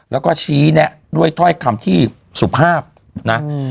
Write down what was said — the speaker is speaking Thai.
แล้วก็ชี้แนะด้วยถ้อยคำที่สุภาพนะ